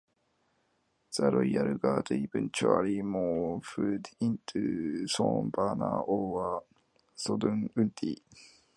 The royal guards eventually morphed into "sworn banner" or Sodang units.